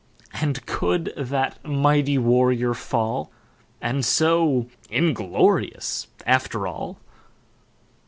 And could that Mighty Warrior fall? And so inglorious, after all!